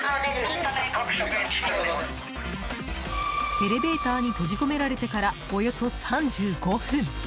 エレベーターに閉じ込められてからおよそ３５分。